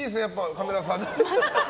カメラさんの。